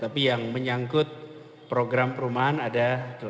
tapi yang menyangkut program perumahan ada